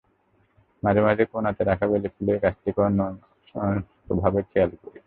মাঝে মাঝে কোনাতে রাখা বেলি ফুলের গাছটাকে অন্যমনস্ক ভাবে খেয়াল করি।